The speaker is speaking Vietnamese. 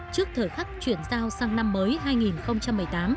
trước thời khắc chuyển giao sang năm mới hai nghìn một mươi tám